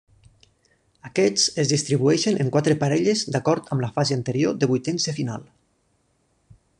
Aquests es distribueixen en quatre parelles d'acord amb la fase anterior de vuitens de final.